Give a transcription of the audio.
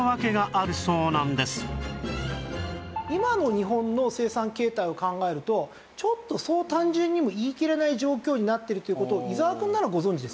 今の日本の生産形態を考えるとちょっとそう単純にも言い切れない状況になってるという事を。